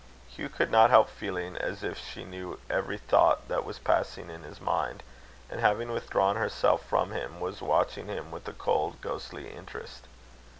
Hugh could not help feeling as if she knew every thought that was passing in his mind, and, having withdrawn herself from him, was watching him with a cold, ghostly interest.